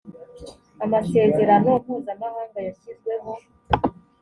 amasezerano mpuzamahanga yashyizweho